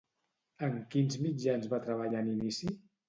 En quins mitjans va treballar en inici?